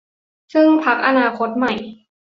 ซึ่งพรรคอนาคตใหม่